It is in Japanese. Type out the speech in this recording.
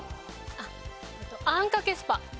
あっあんかけスパ。